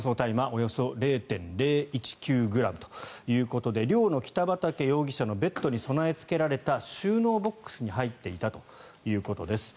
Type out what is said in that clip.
およそ０．０１９ｇということで寮の北畠容疑者のベッドに備えつけられた収納ボックスに入っていたということです。